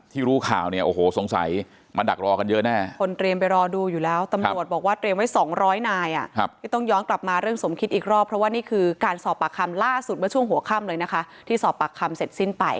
ที่รู้ข่าวเนี่ยโอ้โหสงสัยมาดักรอกันเยอะแน่คนเตรียมไปรอดูอยู่แล้ว